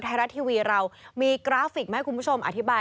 ไทยรัฐทีวีเรามีกราฟิกมาให้คุณผู้ชมอธิบาย